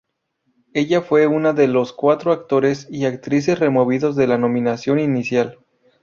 Ella fue una de los cuatro actores y actrices removidos de la nominación inicial.